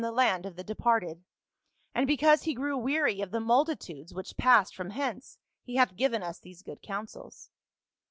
231 the land of the departed, and because he grew weary of the multitudes which passed from hence he hath given us these good counsels.'